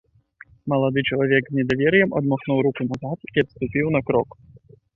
Малады чалавек з недавер'ем адмахнуў руку назад і адступіў на крок.